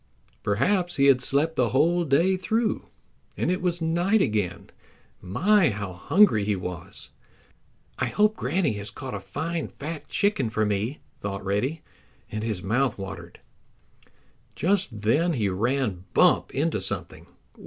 Perhaps he had slept the whole day through, and it was night again. My, how hungry he was! "I hope Granny has caught a fine, fat chicken for me," thought Reddy, and his mouth watered. Just then he ran bump into something.